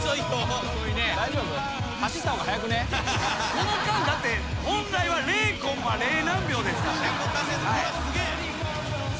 この間だって本来は０コンマ０何秒ですからね。